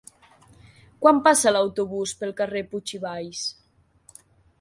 Quan passa l'autobús pel carrer Puig i Valls?